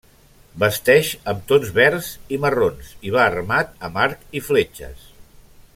Vesteix amb tons verds i marrons, i va armat amb arc i fletxes.